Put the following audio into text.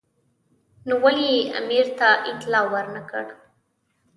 نو ولې یې امیر ته اطلاع ور نه کړه.